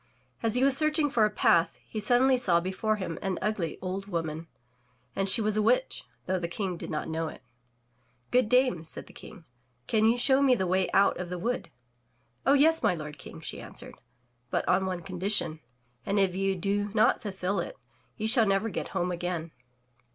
As he was searching for a path, he suddenly saw before him an ugly old woman, and she was a witch, though the King did not know it. "Good dame, said the King, "can you show me the way out of the wood?'* "Oh, yes, my lord King," she answered, "but on one condition, and if you do not fulfill it, you shall never get home again.